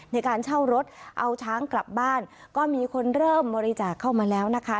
ในการเช่ารถเอาช้างกลับบ้านก็มีคนเริ่มบริจาคเข้ามาแล้วนะคะ